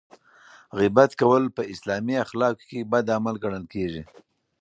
غیبت کول په اسلامي اخلاقو کې بد عمل ګڼل کیږي.